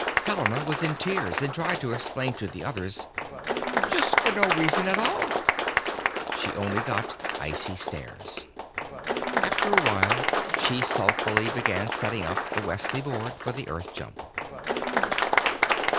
Helena was in tears and tried to explain to the others: "Just for no reason at all——" She got only icy stares. After a while she sulkily began setting up the Wesley board for the Earth jump.